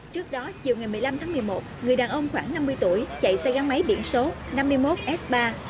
trước đó chiều ngày một mươi năm tháng một mươi một người đàn ông khoảng năm mươi tuổi chạy xe gắn máy điện số năm mươi một s ba sáu nghìn bảy trăm linh tám